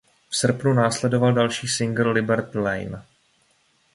V srpnu následoval další singl „Liberty Lane“.